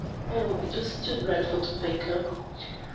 Oh, it was too dreadful to think of!